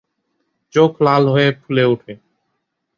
চোখ লাল হয়ে ফুলে উঠে।